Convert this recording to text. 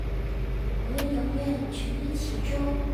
我願永遠沈溺其中